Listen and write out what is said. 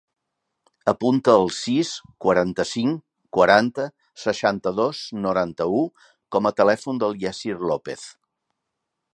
Apunta el sis, quaranta-cinc, quaranta, seixanta-dos, noranta-u com a telèfon del Yassir Lopez.